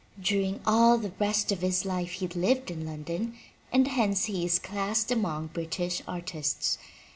During all the rest of his life he lived in London and hence he is classed among British ar tists.